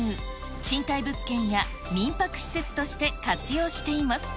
賃貸物件や民泊施設として活用しています。